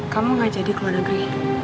kamu gak jadi keluarga gue